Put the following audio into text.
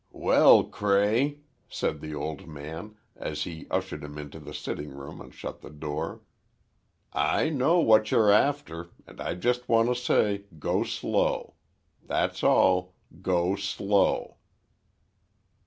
"Well, Cray," said the old man, as he ushered him into the sitting room and shut the door. "I know what you're after—and I just want to say, go slow. That's all—go slow."